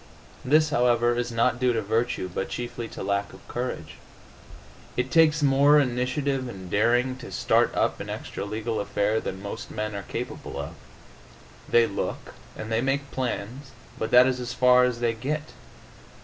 This, however, is not due to virtue, but chiefly to lack of courage. It takes more initiative and daring to start up an extra legal affair than most men are capable of. They look and they make plans, but that is as far as they get.